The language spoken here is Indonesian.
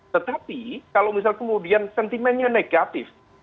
tetapi kalau misal kemudian sentimennya negatif